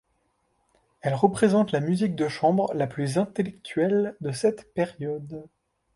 Elles représentent la musique de chambre la plus intellectuelle de cette période.